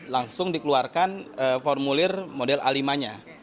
langsung dikeluarkan formulir model a lima nya